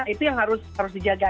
itu yang harus dijaga